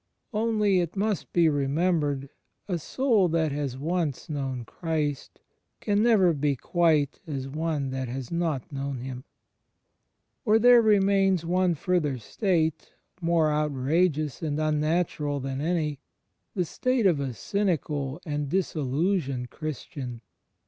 (Only, it must be remembered, a soul that has once known Christ can 28 THE FRIEMDSHIP OF CHRIST never be quite as one that has not known Him.) Or there remains one further state more outrageous and unnatural than any — the state of a cynical and "dis illusioned" Christian.